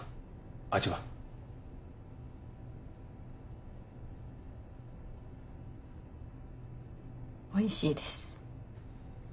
味はおいしいです